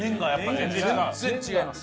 全然違います。